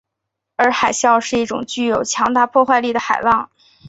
而海啸是一种具有强大破坏力的海浪。